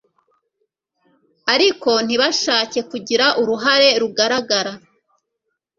ariko ntibashake kugira uruhare rugaragara